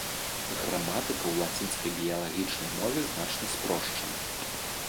Граматыка ў лацінскай біялагічнай мове значна спрошчана.